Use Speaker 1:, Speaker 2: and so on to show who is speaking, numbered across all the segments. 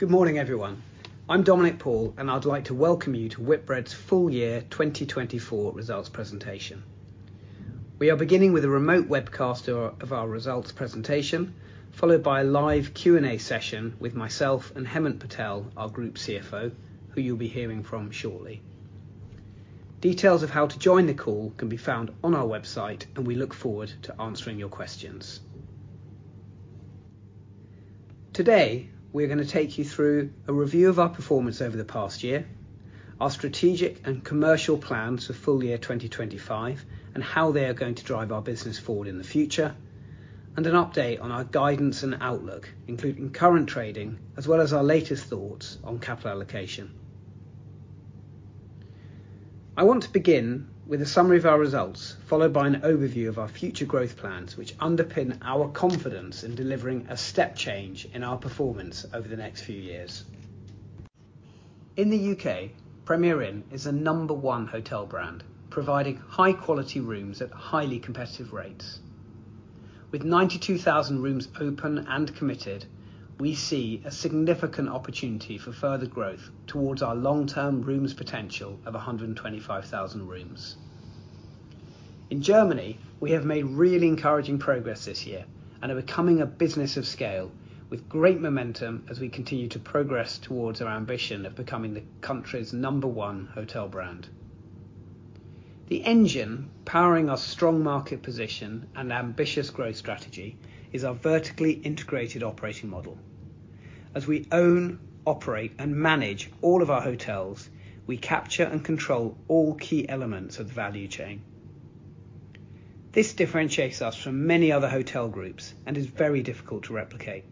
Speaker 1: Good morning, everyone. I'm Dominic Paul, and I'd like to welcome you to Whitbread's full-year 2024 results presentation. We are beginning with a remote webcast of our results presentation, followed by a live Q&A session with myself and Hemant Patel, our group CFO, who you'll be hearing from shortly. Details of how to join the call can be found on our website, and we look forward to answering your questions. Today we're going to take you through a review of our performance over the past year, our strategic and commercial plans for full-year 2025 and how they are going to drive our business forward in the future, and an update on our guidance and outlook, including current trading as well as our latest thoughts on capital allocation. I want to begin with a summary of our results, followed by an overview of our future growth plans which underpin our confidence in delivering a step change in our performance over the next few years. In the U.K., Premier Inn is a number one hotel brand, providing high-quality rooms at highly competitive rates. With 92,000 rooms open and committed, we see a significant opportunity for further growth towards our long-term rooms potential of 125,000 rooms. In Germany, we have made really encouraging progress this year and are becoming a business of scale, with great momentum as we continue to progress towards our ambition of becoming the country's number one hotel brand. The engine powering our strong market position and ambitious growth strategy is our vertically integrated operating model. As we own, operate, and manage all of our hotels, we capture and control all key elements of the value chain. This differentiates us from many other hotel groups and is very difficult to replicate.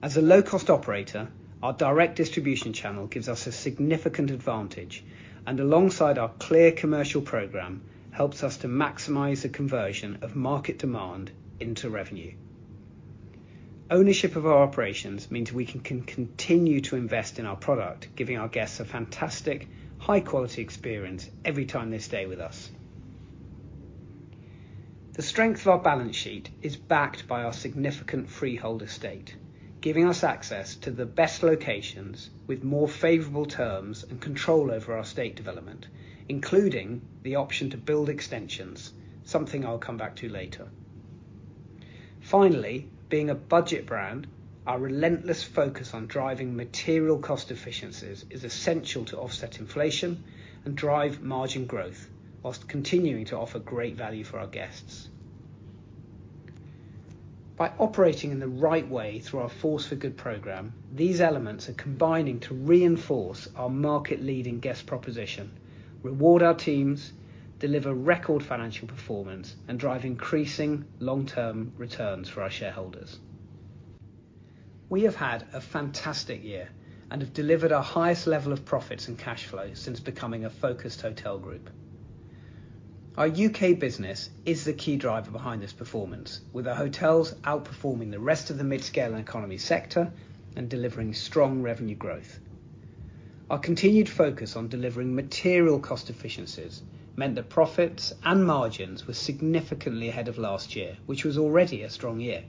Speaker 1: As a low-cost operator, our direct distribution channel gives us a significant advantage, and alongside our clear commercial program helps us to maximize the conversion of market demand into revenue. Ownership of our operations means we can continue to invest in our product, giving our guests a fantastic, high-quality experience every time they stay with us. The strength of our balance sheet is backed by our significant freehold estate, giving us access to the best locations with more favorable terms and control over our estate development, including the option to build extensions, something I'll come back to later. Finally, being a budget brand, our relentless focus on driving material cost efficiencies is essential to offset inflation and drive margin growth while continuing to offer great value for our guests. By operating in the right way through our Force for Good program, these elements are combining to reinforce our market-leading guest proposition, reward our teams, deliver record financial performance, and drive increasing long-term returns for our shareholders. We have had a fantastic year and have delivered our highest level of profits and cash flow since becoming a focused hotel group. Our U.K. business is the key driver behind this performance, with our hotels outperforming the rest of the mid-scale and economy sector and delivering strong revenue growth. Our continued focus on delivering material cost efficiencies meant that profits and margins were significantly ahead of last year, which was already a strong year.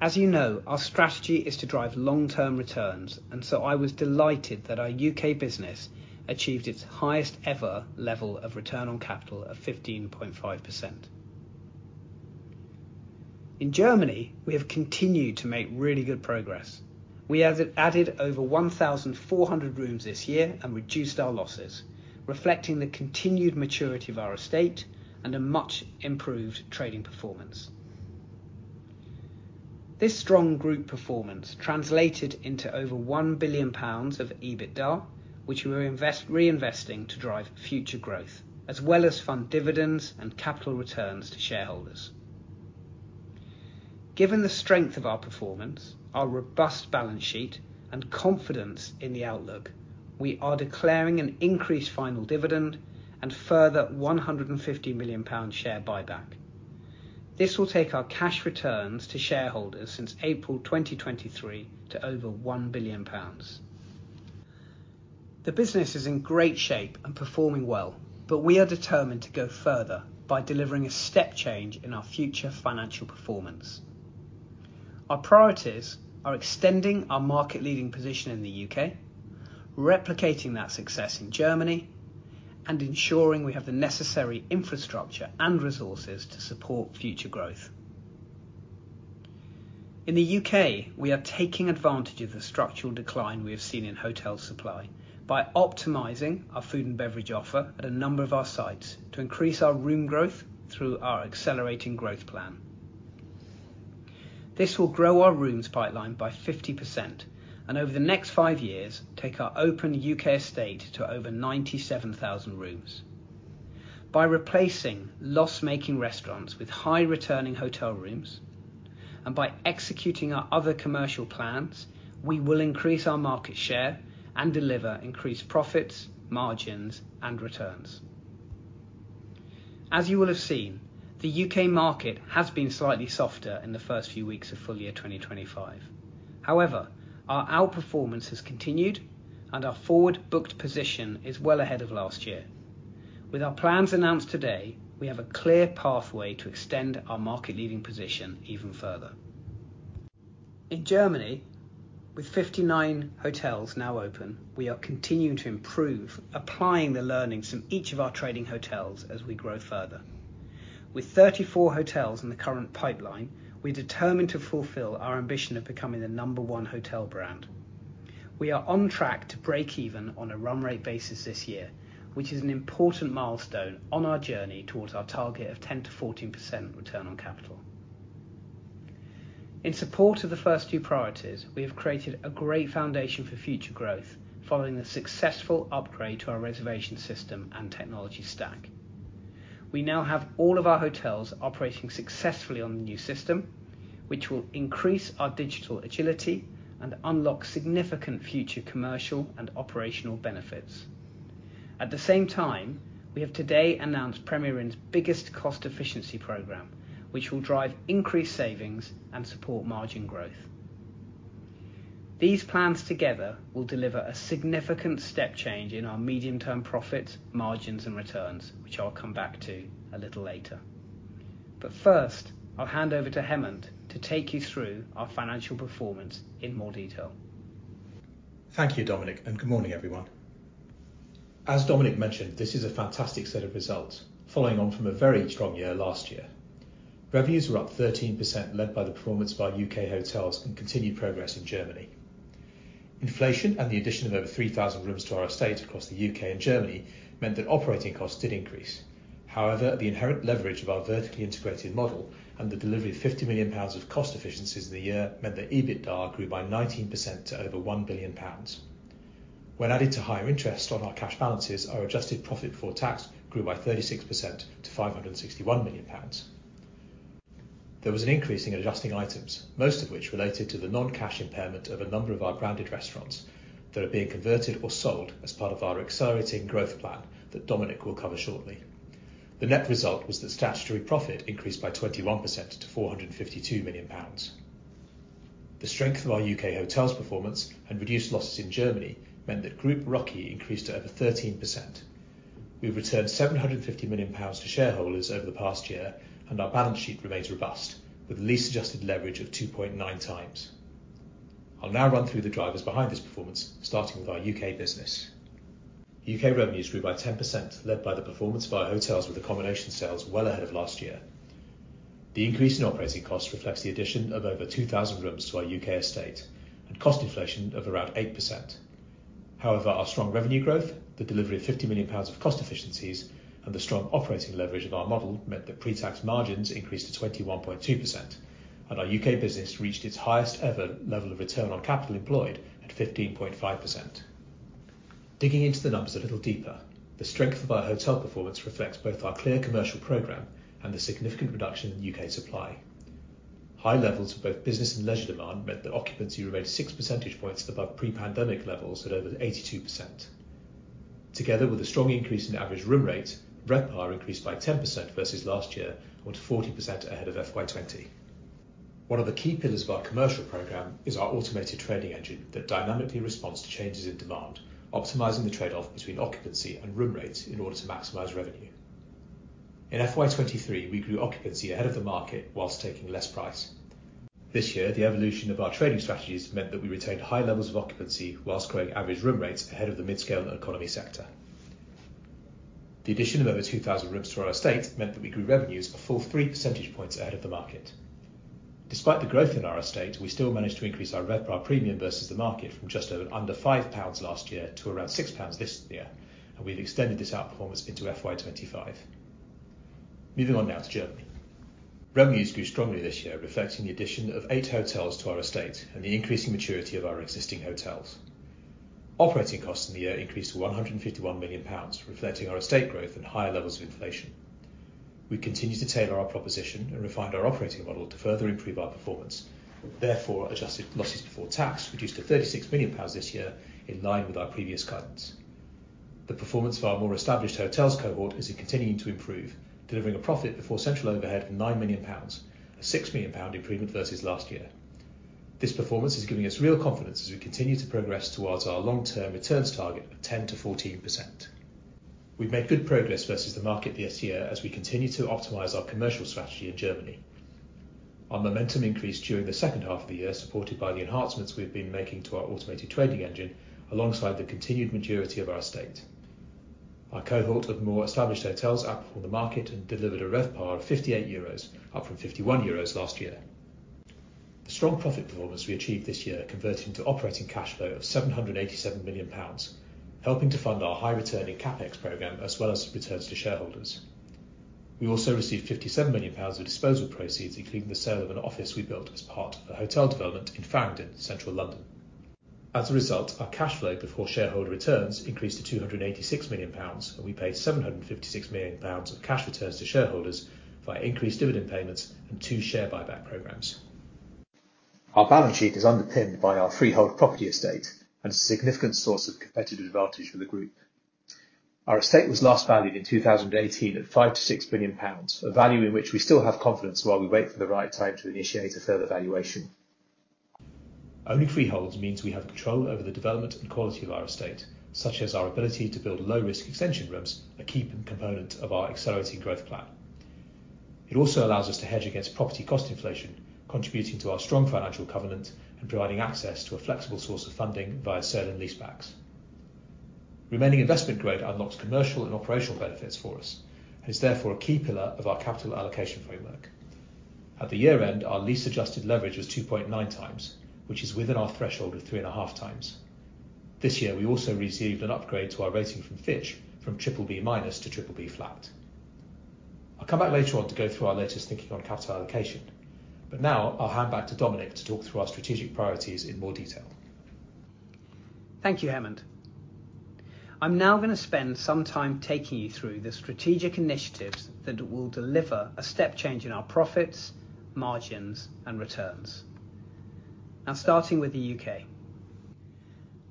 Speaker 1: As you know, our strategy is to drive long-term returns, and so I was delighted that our U.K. business achieved its highest-ever level of return on capital of 15.5%. In Germany, we have continued to make really good progress. We added over 1,400 rooms this year and reduced our losses, reflecting the continued maturity of our estate and a much improved trading performance. This strong group performance translated into over 1 billion pounds of EBITDA, which we are reinvesting to drive future growth, as well as fund dividends and capital returns to shareholders. Given the strength of our performance, our robust balance sheet, and confidence in the outlook, we are declaring an increased final dividend and further 150 million pound share buyback. This will take our cash returns to shareholders since April 2023 to over 1 billion pounds. The business is in great shape and performing well, but we are determined to go further by delivering a step change in our future financial performance. Our priorities are extending our market-leading position in the U.K., replicating that success in Germany, and ensuring we have the necessary infrastructure and resources to support future growth. In the U.K., we are taking advantage of the structural decline we have seen in hotel supply by optimizing our food and beverage offer at a number of our sites to increase our room growth through our Accelerating Growth Plan. This will grow our rooms pipeline by 50% and, over the next five years, take our open U.K. estate to over 97,000 rooms. By replacing loss-making restaurants with high-returning hotel rooms, and by executing our other commercial plans, we will increase our market share and deliver increased profits, margins, and returns. As you will have seen, the U.K. market has been slightly softer in the first few weeks of full-year 2025. However, our outperformance has continued, and our forward booked position is well ahead of last year. With our plans announced today, we have a clear pathway to extend our market-leading position even further. In Germany, with 59 hotels now open, we are continuing to improve, applying the learnings from each of our trading hotels as we grow further. With 34 hotels in the current pipeline, we are determined to fulfill our ambition of becoming the number one hotel brand. We are on track to break even on a run-rate basis this year, which is an important milestone on our journey towards our target of 10%-14% return on capital. In support of the first few priorities, we have created a great foundation for future growth following the successful upgrade to our reservation system and technology stack. We now have all of our hotels operating successfully on the new system, which will increase our digital agility and unlock significant future commercial and operational benefits. At the same time, we have today announced Premier Inn's biggest cost efficiency program, which will drive increased savings and support margin growth. These plans together will deliver a significant step change in our medium-term profits, margins, and returns, which I'll come back to a little later. But first, I'll hand over to Hemant to take you through our financial performance in more detail.
Speaker 2: Thank you, Dominic, and good morning, everyone. As Dominic mentioned, this is a fantastic set of results, following on from a very strong year last year. Revenues were up 13%, led by the performance by U.K. hotels and continued progress in Germany. Inflation and the addition of over 3,000 rooms to our estate across the U.K. and Germany meant that operating costs did increase. However, the inherent leverage of our vertically integrated model and the delivery of 50 million pounds of cost efficiencies in the year meant that EBITDA grew by 19% to over 1 billion pounds. When added to higher interest on our cash balances, our adjusted profit before tax grew by 36% to 561 million pounds. There was an increase in adjusting items, most of which related to the non-cash impairment of a number of our branded restaurants that are being converted or sold as part of our Accelerating Growth Plan that Dominic will cover shortly. The net result was that statutory profit increased by 21% to 452 million pounds. The strength of our U.K. hotels' performance and reduced losses in Germany meant that Group ROCE increased to over 13%. We've returned 750 million pounds to shareholders over the past year, and our balance sheet remains robust, with the lowest adjusted leverage of 2.9x. I'll now run through the drivers behind this performance, starting with our U.K. business. U.K. revenues grew by 10%, led by the performance by our hotels with accommodation sales well ahead of last year. The increase in operating costs reflects the addition of over 2,000 rooms to our U.K. estate and cost inflation of around 8%. However, our strong revenue growth, the delivery of 50 million pounds of cost efficiencies, and the strong operating leverage of our model meant that pre-tax margins increased to 21.2%, and our U.K. business reached its highest-ever level of return on capital employed at 15.5%. Digging into the numbers a little deeper, the strength of our hotel performance reflects both our clear commercial program and the significant reduction in U.K. supply. High levels of both business and leisure demand meant that occupancy remained 6 percentage points above pre-pandemic levels at over 82%. Together with a strong increase in average room rates, RevPAR increased by 10% versus last year, or to 40% ahead of FY 2020. One of the key pillars of our commercial program is our automated trading engine that dynamically responds to changes in demand, optimizing the trade-off between occupancy and room rates in order to maximize revenue. In FY2023, we grew occupancy ahead of the market while taking less price. This year, the evolution of our trading strategies meant that we retained high levels of occupancy while growing average room rates ahead of the mid-scale and economy sector. The addition of over 2,000 rooms to our estate meant that we grew revenues a full 3 percentage points ahead of the market. Despite the growth in our estate, we still managed to increase our RevPAR premium versus the market from just over under 5 pounds last year to around 6 pounds this year, and we've extended this outperformance into FY2025. Moving on now to Germany. Revenues grew strongly this year, reflecting the addition of eight hotels to our estate and the increasing maturity of our existing hotels. Operating costs in the year increased to 151 million pounds, reflecting our estate growth and higher levels of inflation. We continue to tailor our proposition and refine our operating model to further improve our performance, therefore adjusted losses before tax reduced to 36 million pounds this year in line with our previous guidance. The performance of our more established hotels cohort is continuing to improve, delivering a profit before central overhead of 9 million pounds, a 6 million pound improvement versus last year. This performance is giving us real confidence as we continue to progress towards our long-term returns target of 10%-14%. We've made good progress versus the market this year as we continue to optimize our commercial strategy in Germany. Our momentum increased during the second half of the year, supported by the enhancements we've been making to our automated trading engine alongside the continued maturity of our estate. Our cohort of more established hotels outperformed the market and delivered a RevPAR of 58 euros, up from 51 euros last year. The strong profit performance we achieved this year converted into operating cash flow of GBP 787 million, helping to fund our high-returning CapEx program as well as returns to shareholders. We also received 57 million pounds of disposal proceeds, including the sale of an office we built as part of a hotel development in Farringdon, central London. As a result, our cash flow before shareholder returns increased to 286 million pounds, and we paid 756 million pounds of cash returns to shareholders via increased dividend payments and two share buyback programs. Our balance sheet is underpinned by our freehold property estate and is a significant source of competitive advantage for the group. Our estate was last valued in 2018 at 5 billion-6 billion pounds, a value in which we still have confidence while we wait for the right time to initiate a further valuation. Only freeholds mean we have control over the development and quality of our estate, such as our ability to build low-risk extension rooms, a key component of our Accelerating Growth Plan. It also allows us to hedge against property cost inflation, contributing to our strong financial covenant and providing access to a flexible source of funding via certain leasebacks. Remaining investment grade unlocks commercial and operational benefits for us and is therefore a key pillar of our capital allocation framework. At the year-end, our lease-adjusted leverage was 2.9x, which is within our threshold of 3.5x. This year, we also received an upgrade to our rating from Fitch from BBB- to BBB-flat. I'll come back later on to go through our latest thinking on capital allocation, but now I'll hand back to Dominic to talk through our strategic priorities in more detail.
Speaker 1: Thank you, Hemant. I'm now going to spend some time taking you through the strategic initiatives that will deliver a step change in our profits, margins, and returns. Now, starting with the U.K.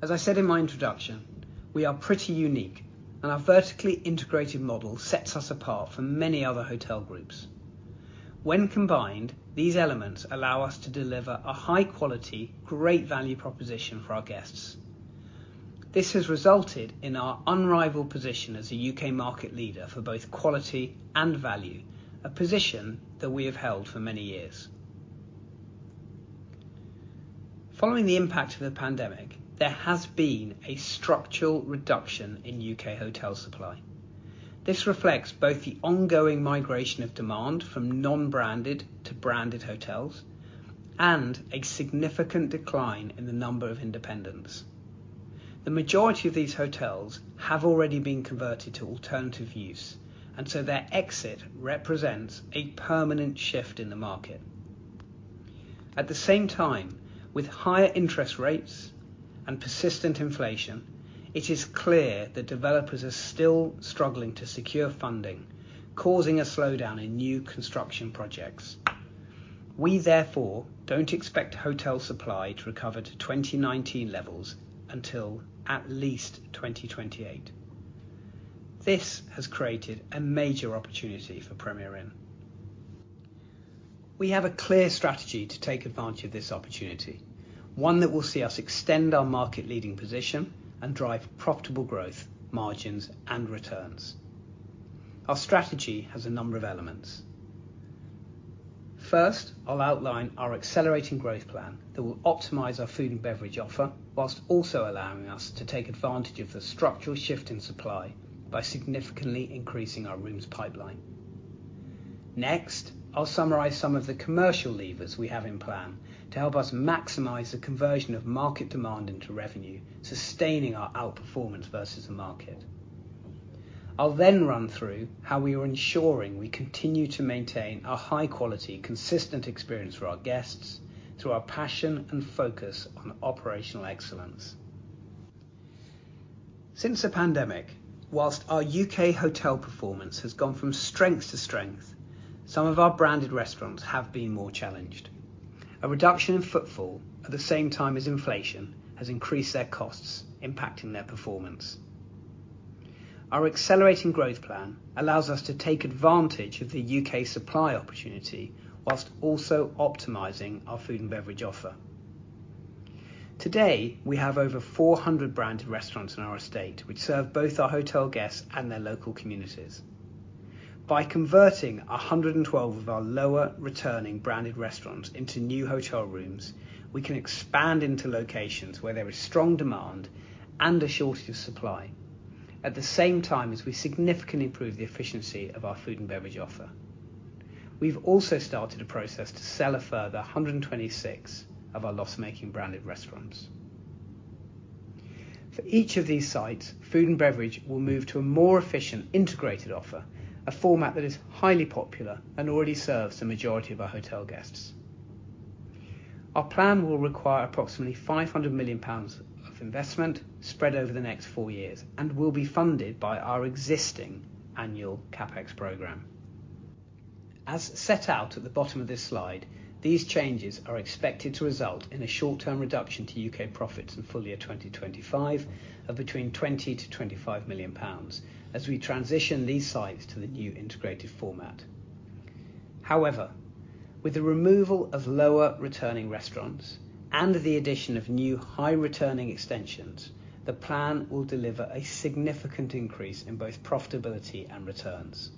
Speaker 1: As I said in my introduction, we are pretty unique, and our vertically integrated model sets us apart from many other hotel groups. When combined, these elements allow us to deliver a high-quality, great value proposition for our guests. This has resulted in our unrivaled position as a U.K. market leader for both quality and value, a position that we have held for many years. Following the impact of the pandemic, there has been a structural reduction in U.K. hotel supply. This reflects both the ongoing migration of demand from non-branded to branded hotels and a significant decline in the number of independents. The majority of these hotels have already been converted to alternative use, and so their exit represents a permanent shift in the market. At the same time, with higher interest rates and persistent inflation, it is clear that developers are still struggling to secure funding, causing a slowdown in new construction projects. We, therefore, don't expect hotel supply to recover to 2019 levels until at least 2028. This has created a major opportunity for Premier Inn. We have a clear strategy to take advantage of this opportunity, one that will see us extend our market-leading position and drive profitable growth, margins, and returns. Our strategy has a number of elements. First, I'll outline our Accelerating Growth Plan that will optimize our food and beverage offer while also allowing us to take advantage of the structural shift in supply by significantly increasing our rooms pipeline. Next, I'll summarize some of the commercial levers we have in plan to help us maximize the conversion of market demand into revenue, sustaining our outperformance versus the market. I'll then run through how we are ensuring we continue to maintain our high-quality, consistent experience for our guests through our passion and focus on operational excellence. Since the pandemic, while our U.K. hotel performance has gone from strength to strength, some of our branded restaurants have been more challenged. A reduction in footfall at the same time as inflation has increased their costs, impacting their performance. Our Accelerating Growth Plan allows us to take advantage of the U.K. supply opportunity while also optimizing our food and beverage offer. Today, we have over 400 branded restaurants in our estate, which serve both our hotel guests and their local communities. By converting 112 of our lower-returning branded restaurants into new hotel rooms, we can expand into locations where there is strong demand and a shortage of supply, at the same time as we significantly improve the efficiency of our food and beverage offer. We've also started a process to sell a further 126 of our loss-making branded restaurants. For each of these sites, food and beverage will move to a more efficient, integrated offer, a format that is highly popular and already serves the majority of our hotel guests. Our plan will require approximately 500 million pounds of investment spread over the next four years and will be funded by our existing annual CapEx program. As set out at the bottom of this slide, these changes are expected to result in a short-term reduction to U.K. profits in full year 2025 of between 20 million-25 million pounds as we transition these sites to the new integrated format. However, with the removal of lower-returning restaurants and the addition of new high-returning extensions, the plan will deliver a significant increase in both profitability and returns.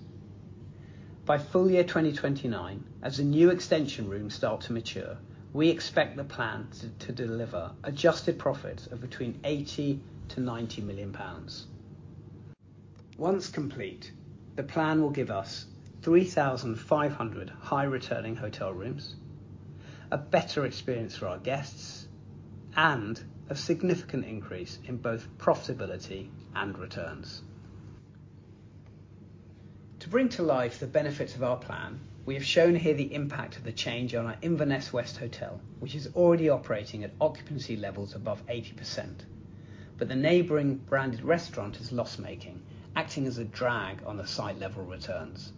Speaker 1: By full year 2029, as the new extension rooms start to mature, we expect the plan to deliver adjusted profits of between 80 million-90 million pounds. Once complete, the plan will give us 3,500 high-returning hotel rooms, a better experience for our guests, and a significant increase in both profitability and returns. To bring to life the benefits of our plan, we have shown here the impact of the change on our Inverness West Hotel, which is already operating at occupancy levels above 80%, but the neighboring branded restaurant is loss-making, acting as a drag on the site-level returns.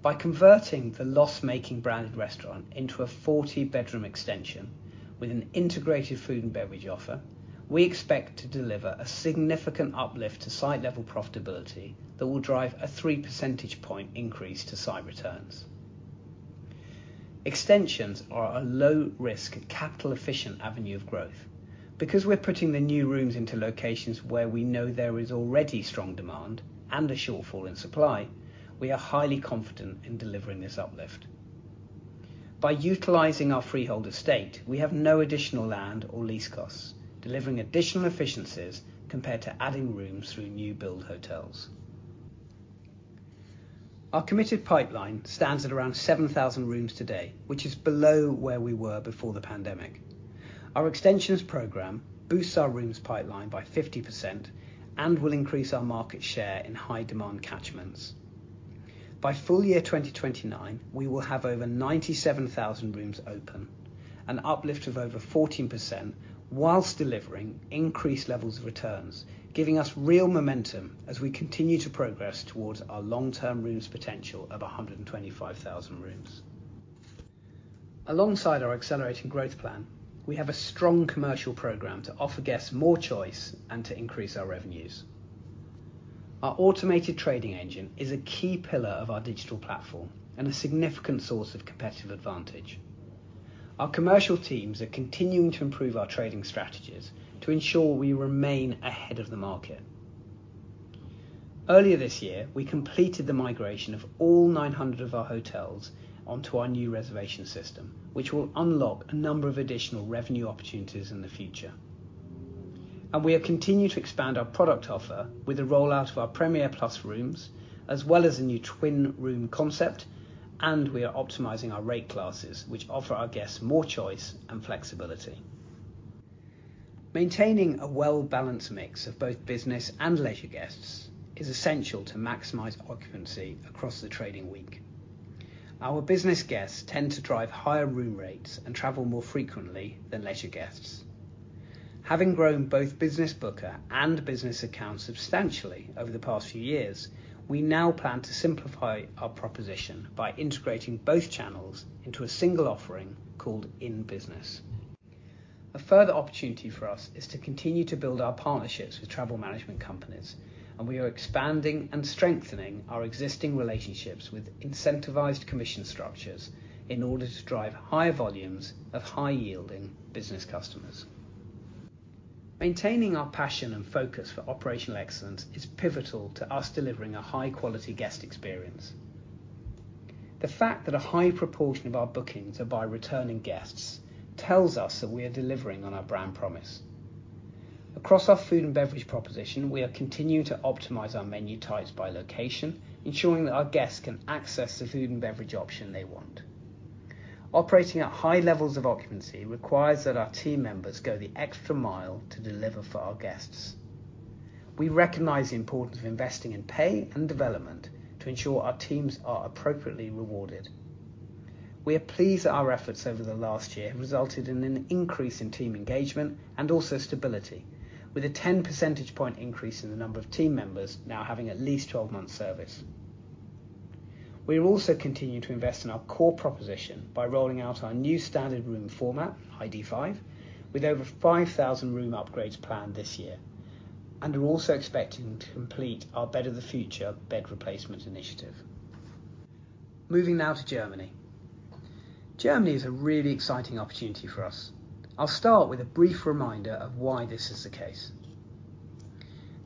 Speaker 1: By converting the loss-making branded restaurant into a 40-bedroom extension with an integrated food and beverage offer, we expect to deliver a significant uplift to site-level profitability that will drive a 3 percentage point increase to site returns. Extensions are a low-risk, capital-efficient avenue of growth. Because we're putting the new rooms into locations where we know there is already strong demand and a shortfall in supply, we are highly confident in delivering this uplift. By utilizing our freehold estate, we have no additional land or lease costs, delivering additional efficiencies compared to adding rooms through new-build hotels. Our committed pipeline stands at around 7,000 rooms today, which is below where we were before the pandemic. Our extensions program boosts our rooms pipeline by 50% and will increase our market share in high-demand catchments. By full year 2029, we will have over 97,000 rooms open, an uplift of over 14% whilst delivering increased levels of returns, giving us real momentum as we continue to progress towards our long-term rooms potential of 125,000 rooms. Alongside our Accelerating Growth Plan, we have a strong commercial program to offer guests more choice and to increase our revenues. Our automated trading engine is a key pillar of our digital platform and a significant source of competitive advantage. Our commercial teams are continuing to improve our trading strategies to ensure we remain ahead of the market. Earlier this year, we completed the migration of all 900 of our hotels onto our new reservation system, which will unlock a number of additional revenue opportunities in the future. We are continuing to expand our product offer with the rollout of our Premier Plus rooms, as well as a new twin-room concept, and we are optimizing our rate classes, which offer our guests more choice and flexibility. Maintaining a well-balanced mix of both business and leisure guests is essential to maximize occupancy across the trading week. Our business guests tend to drive higher room rates and travel more frequently than leisure guests. Having grown both Business Booker and Business Account substantially over the past few years, we now plan to simplify our proposition by integrating both channels into a single offering called Inn Business. A further opportunity for us is to continue to build our partnerships with travel management companies, and we are expanding and strengthening our existing relationships with incentivized commission structures in order to drive higher volumes of high-yielding business customers. Maintaining our passion and focus for operational excellence is pivotal to us delivering a high-quality guest experience. The fact that a high proportion of our bookings are by returning guests tells us that we are delivering on our brand promise. Across our food and beverage proposition, we are continuing to optimize our menu types by location, ensuring that our guests can access the food and beverage option they want. Operating at high levels of occupancy requires that our team members go the extra mile to deliver for our guests. We recognize the importance of investing in pay and development to ensure our teams are appropriately rewarded. We are pleased that our efforts over the last year have resulted in an increase in team engagement and also stability, with a 10 percentage point increase in the number of team members now having at least 12 months service. We are also continuing to invest in our core proposition by rolling out our new standard room format, ID5, with over 5,000 room upgrades planned this year, and are also expecting to complete our Bed of the Future bed replacement initiative. Moving now to Germany. Germany is a really exciting opportunity for us. I'll start with a brief reminder of why this is the case.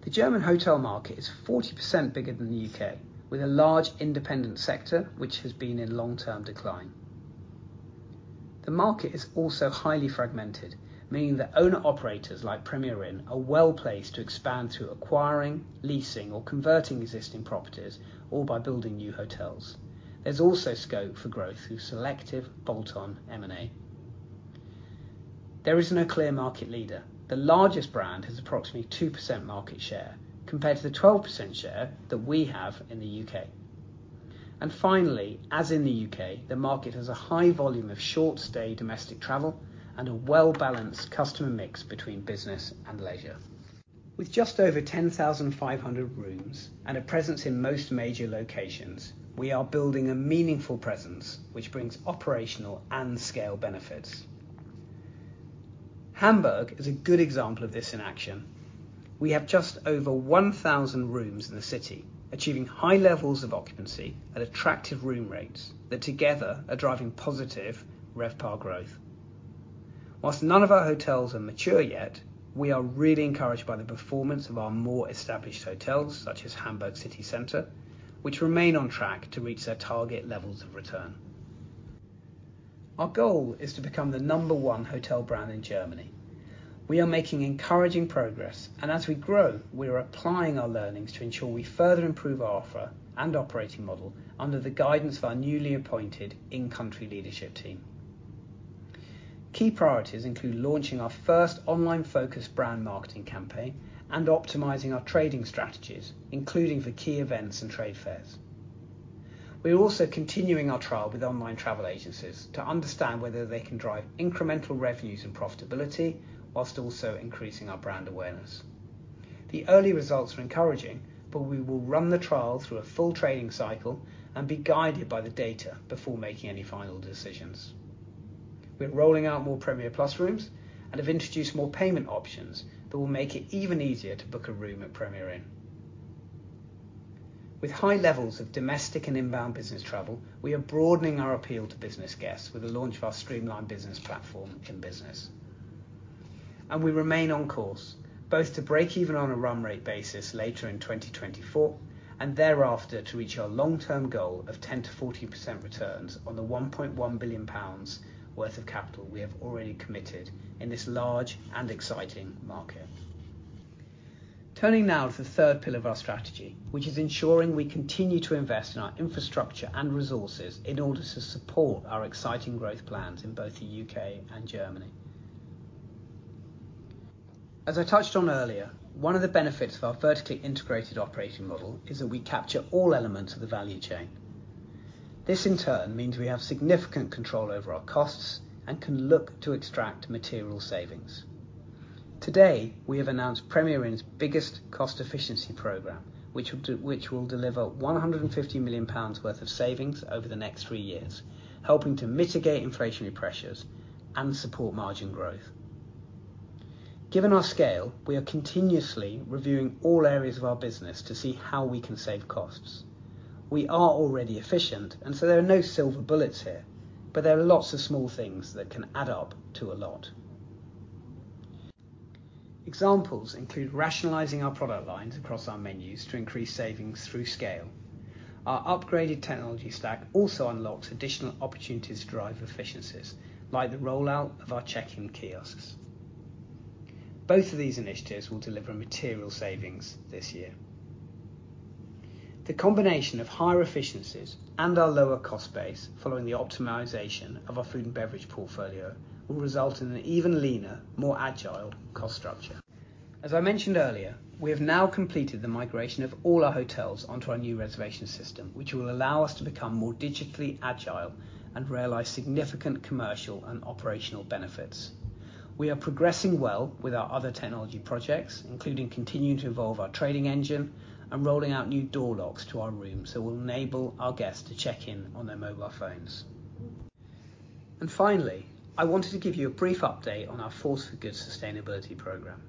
Speaker 1: The German hotel market is 40% bigger than the U.K., with a large independent sector which has been in long-term decline. The market is also highly fragmented, meaning that owner-operators like Premier Inn are well placed to expand through acquiring, leasing, or converting existing properties, or by building new hotels. There's also scope for growth through selective bolt-on M&A. There is no clear market leader. The largest brand has approximately 2% market share, compared to the 12% share that we have in the U.K. And finally, as in the U.K., the market has a high volume of short-stay domestic travel and a well-balanced customer mix between business and leisure. With just over 10,500 rooms and a presence in most major locations, we are building a meaningful presence which brings operational and scale benefits. Hamburg is a good example of this in action. We have just over 1,000 rooms in the city, achieving high levels of occupancy and attractive room rates that together are driving positive RevPAR growth. While none of our hotels are mature yet, we are really encouraged by the performance of our more established hotels such as Hamburg City Centre, which remain on track to reach their target levels of return. Our goal is to become the number one hotel brand in Germany. We are making encouraging progress, and as we grow, we are applying our learnings to ensure we further improve our offer and operating model under the guidance of our newly appointed in-country leadership team. Key priorities include launching our first online-focused brand marketing campaign and optimizing our trading strategies, including for key events and trade fairs. We are also continuing our trial with online travel agencies to understand whether they can drive incremental revenues and profitability while also increasing our brand awareness. The early results are encouraging, but we will run the trial through a full trading cycle and be guided by the data before making any final decisions. We're rolling out more Premier Plus rooms and have introduced more payment options that will make it even easier to book a room at Premier Inn. With high levels of domestic and inbound business travel, we are broadening our appeal to business guests with the launch of our streamlined business platform, Inn Business. We remain on course, both to break even on a run-rate basis later in 2024 and thereafter to reach our long-term goal of 10%-14% returns on the 1.1 billion pounds worth of capital we have already committed in this large and exciting market. Turning now to the third pillar of our strategy, which is ensuring we continue to invest in our infrastructure and resources in order to support our exciting growth plans in both the U.K. and Germany. As I touched on earlier, one of the benefits of our vertically integrated operating model is that we capture all elements of the value chain. This, in turn, means we have significant control over our costs and can look to extract material savings. Today, we have announced Premier Inn's biggest cost-efficiency program, which will deliver 150 million pounds worth of savings over the next three years, helping to mitigate inflationary pressures and support margin growth. Given our scale, we are continuously reviewing all areas of our business to see how we can save costs. We are already efficient, and so there are no silver bullets here, but there are lots of small things that can add up to a lot. Examples include rationalizing our product lines across our menus to increase savings through scale. Our upgraded technology stack also unlocks additional opportunities to drive efficiencies, like the rollout of our check-in kiosks. Both of these initiatives will deliver material savings this year. The combination of higher efficiencies and our lower cost base following the optimization of our food and beverage portfolio will result in an even leaner, more agile cost structure. As I mentioned earlier, we have now completed the migration of all our hotels onto our new reservation system, which will allow us to become more digitally agile and realize significant commercial and operational benefits. We are progressing well with our other technology projects, including continuing to evolve our trading engine and rolling out new door locks to our rooms that will enable our guests to check in on their mobile phones. Finally, I wanted to give you a brief update on our Force for Good sustainability program.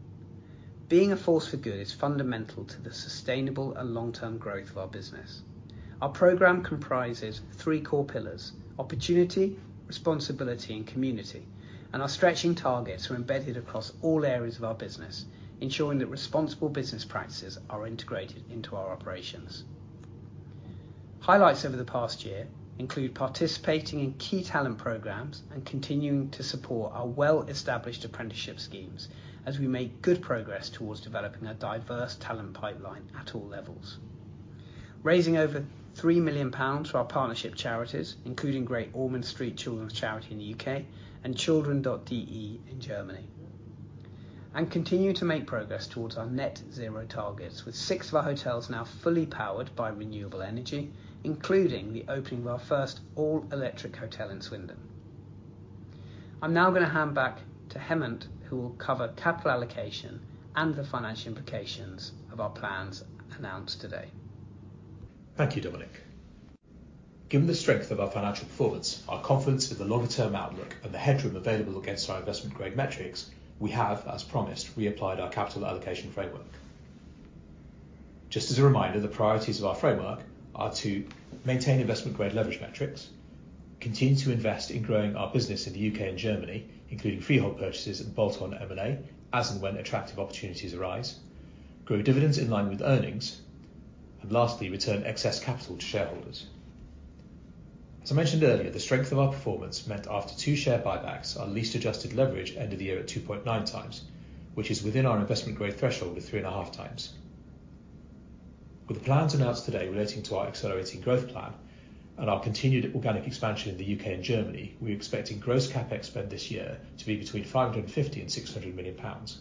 Speaker 1: Being a force for good is fundamental to the sustainable and long-term growth of our business. Our program comprises three core pillars: opportunity, responsibility, and community, and our stretching targets are embedded across all areas of our business, ensuring that responsible business practices are integrated into our operations. Highlights over the past year include participating in key talent programs and continuing to support our well-established apprenticeship schemes as we make good progress toward developing a diverse talent pipeline at all levels. Raising over 3 million pounds for our partnership charities, including Great Ormond Street Children's Charity in the U.K. and Children.de in Germany. And continuing to make progress towards our net-zero targets, with six of our hotels now fully powered by renewable energy, including the opening of our first all-electric hotel in Swindon. I'm now going to hand back to Hemant, who will cover capital allocation and the financial implications of our plans announced today.
Speaker 2: Thank you, Dominic. Given the strength of our financial performance, our confidence in the longer-term outlook, and the headroom available against our investment-grade metrics, we have, as promised, reapplied our capital allocation framework. Just as a reminder, the priorities of our framework are to: maintain investment-grade leverage metrics, continue to invest in growing our business in the U.K. and Germany, including freehold purchases and bolt-on M&A as and when attractive opportunities arise, grow dividends in line with earnings, and lastly, return excess capital to shareholders. As I mentioned earlier, the strength of our performance meant after two share buybacks, our least adjusted leverage ended the year at 2.9x, which is within our investment-grade threshold of 3.5x. With the plans announced today relating to our Accelerating Growth Plan and our continued organic expansion in the U.K. and Germany, we are expecting gross CapEx spend this year to be between 550 million and 600 million pounds.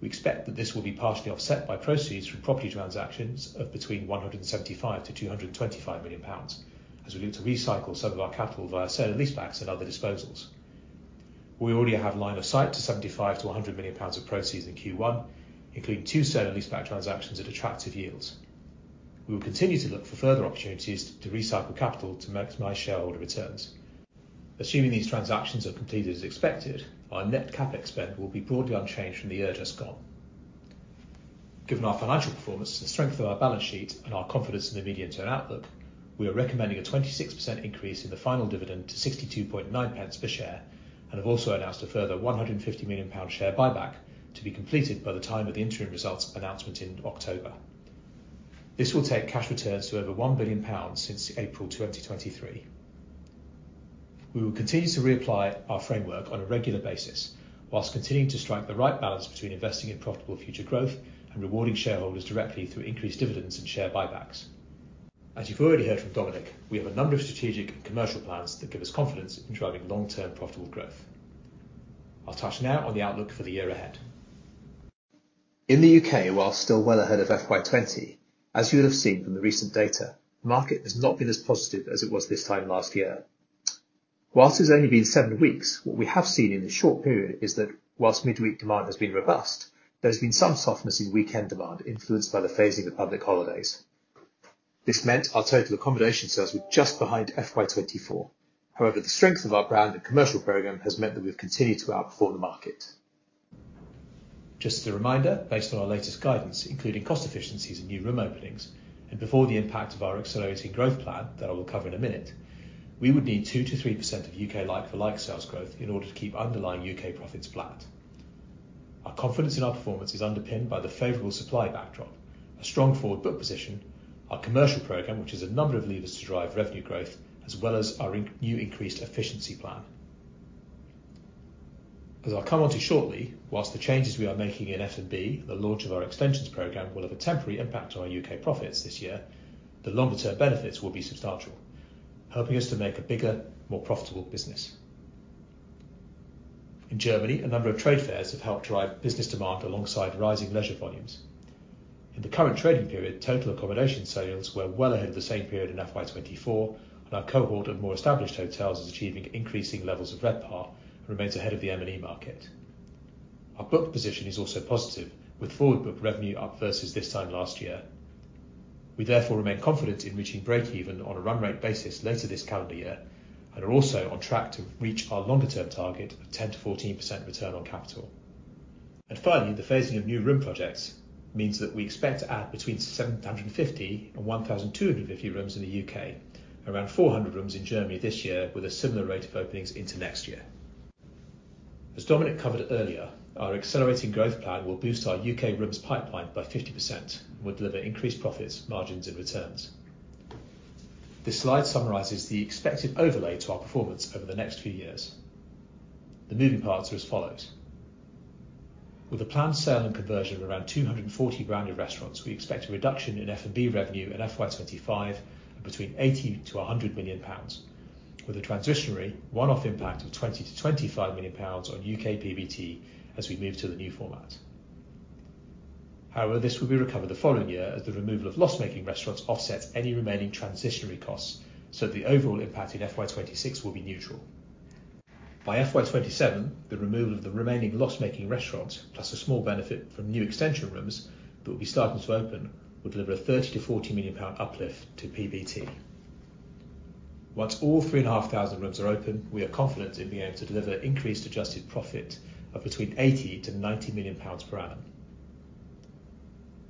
Speaker 2: We expect that this will be partially offset by proceeds from property transactions of between 175 million-225 million pounds as we look to recycle some of our capital via sale and leasebacks and other disposals. We already have line of sight to 75 million-100 million pounds of proceeds in Q1, including two sale and leaseback transactions at attractive yields. We will continue to look for further opportunities to recycle capital to maximize shareholder returns. Assuming these transactions are completed as expected, our net CapEx spend will be broadly unchanged from the year just gone. Given our financial performance, the strength of our balance sheet, and our confidence in the medium-term outlook, we are recommending a 26% increase in the final dividend to 0.629 per share and have also announced a further 150 million pound share buyback to be completed by the time of the interim results announcement in October. This will take cash returns to over 1 billion pounds since April 2023. We will continue to reapply our framework on a regular basis whilst continuing to strike the right balance between investing in profitable future growth and rewarding shareholders directly through increased dividends and share buybacks. As you've already heard from Dominic, we have a number of strategic and commercial plans that give us confidence in driving long-term profitable growth. I'll touch now on the outlook for the year ahead. In the U.K., whilst still well ahead of FY2020, as you will have seen from the recent data, the market has not been as positive as it was this time last year. Whilst it has only been seven weeks, what we have seen in this short period is that whilst midweek demand has been robust, there has been some softness in weekend demand influenced by the phasing of public holidays. This meant our total accommodation sales were just behind FY2024. However, the strength of our brand and commercial program has meant that we have continued to outperform the market. Just as a reminder, based on our latest guidance, including cost efficiencies and new room openings, and before the impact of our Accelerating Growth Plan that I will cover in a minute, we would need 2%-3% of U.K. like-for-like sales growth in order to keep underlying U.K. profits flat. Our confidence in our performance is underpinned by the favorable supply backdrop, a strong forward book position, our commercial program, which is a number of levers to drive revenue growth, as well as our new increased efficiency plan. As I'll come on to shortly, while the changes we are making in F&B, the launch of our extensions program, will have a temporary impact on our U.K. profits this year, the longer-term benefits will be substantial, helping us to make a bigger, more profitable business. In Germany, a number of trade fairs have helped drive business demand alongside rising leisure volumes. In the current trading period, total accommodation sales were well ahead of the same period in FY2024, and our cohort of more established hotels is achieving increasing levels of RevPAR and remains ahead of the M&E market. Our book position is also positive, with forward book revenue up versus this time last year. We therefore remain confident in reaching break-even on a run-rate basis later this calendar year and are also on track to reach our longer-term target of 10%-14% return on capital. And finally, the phasing of new room projects means that we expect to add between 750 and 1,250 rooms in the U.K., around 400 rooms in Germany this year with a similar rate of openings into next year. As Dominic covered earlier, our Accelerating Growth Plan will boost our U.K. rooms pipeline by 50% and will deliver increased profits, margins, and returns. This slide summarizes the expected overlay to our performance over the next few years. The moving parts are as follows. With a planned sale and conversion of around 240 branded restaurants, we expect a reduction in F&B revenue in FY2025 of between 80 million-100 million pounds, with a transitory one-off impact of 20 million-25 million pounds on U.K. PBT as we move to the new format. However, this will be recovered the following year as the removal of loss-making restaurants offsets any remaining transitionary costs so that the overall impact in FY2026 will be neutral. By FY2027, the removal of the remaining loss-making restaurants plus a small benefit from new extension rooms that will be starting to open will deliver a 30 million-40 million pound uplift to PBT. Once all 3,500 rooms are open, we are confident in being able to deliver increased adjusted profit of between 80 million-90 million pounds per annum.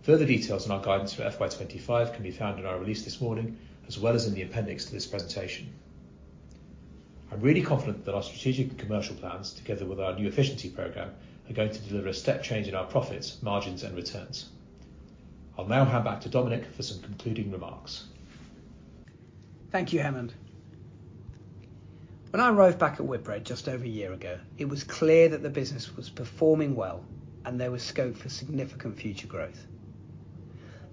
Speaker 2: Further details on our guidance for FY2025 can be found in our release this morning as well as in the appendix to this presentation. I'm really confident that our strategic and commercial plans, together with our new efficiency program, are going to deliver a step change in our profits, margins, and returns. I'll now hand back to Dominic for some concluding remarks.
Speaker 1: Thank you, Hemant. When I arrived back at Whitbread just over a year ago, it was clear that the business was performing well and there was scope for significant future growth.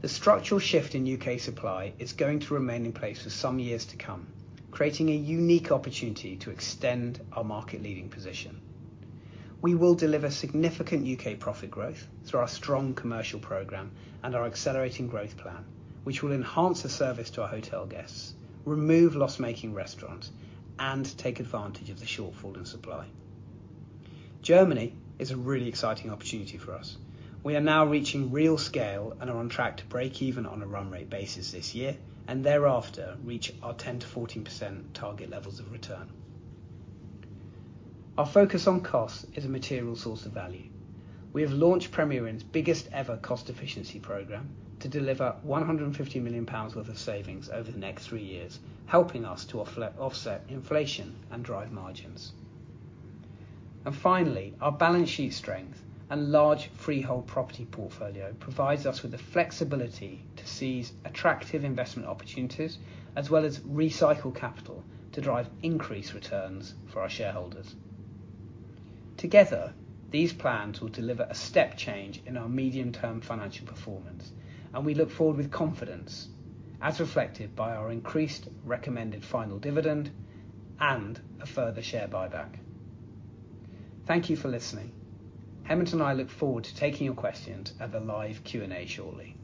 Speaker 1: The structural shift in U.K. supply is going to remain in place for some years to come, creating a unique opportunity to extend our market-leading position. We will deliver significant U.K. profit growth through our strong commercial program and our Accelerating Growth Plan, which will enhance the service to our hotel guests, remove loss-making restaurants, and take advantage of the shortfall in supply. Germany is a really exciting opportunity for us. We are now reaching real scale and are on track to break-even on a run-rate basis this year and thereafter reach our 10%-14% target levels of return. Our focus on costs is a material source of value. We have launched Premier Inn's biggest-ever cost-efficiency program to deliver 150 million pounds worth of savings over the next three years, helping us to offset inflation and drive margins. Finally, our balance sheet strength and large freehold property portfolio provides us with the flexibility to seize attractive investment opportunities as well as recycle capital to drive increased returns for our shareholders. Together, these plans will deliver a step change in our medium-term financial performance, and we look forward with confidence, as reflected by our increased recommended final dividend and a further share buyback. Thank you for listening. Hemant and I look forward to taking your questions at the live Q&A shortly.